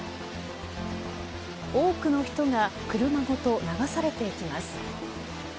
多くの人が車ごと流されていきます。